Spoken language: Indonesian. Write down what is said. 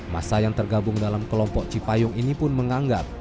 masa yang tergabung dalam kelompok cipayung ini pun menganggap